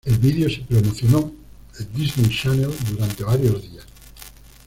El video se promocionó en Disney Channel durante varios días.